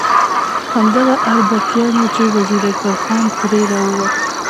همدغه اربکیان وو چې وزیر اکبر خان ترې راووت.